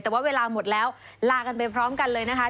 แต่ว่าเวลาหมดแล้วลากันไปพร้อมกันเลยนะคะ